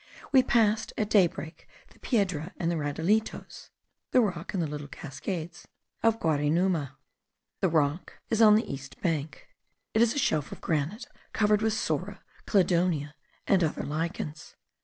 We passed at day break the Piedra and the Raudalitos* (* The rock and little cascades.) of Guarinuma. The rock is on the east bank; it is a shelf of granite, covered with psora, cladonia, and other lichens.